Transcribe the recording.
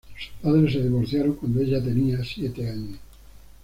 Sus padres se divorciaron cuando ella tenía siete años.